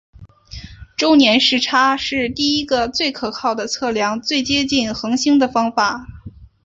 周年视差是第一个最可靠的测量最接近恒星的方法。